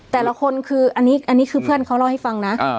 แต่ละคนคืออันนี้คือเพื่อนเขาเล่าให้ฟังนะ